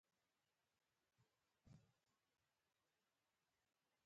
په بدو کي د ښځو ورکول د قانوني عدالت خلاف عمل دی.